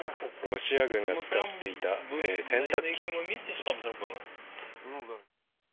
ロシア軍が使っていた洗濯機ですね。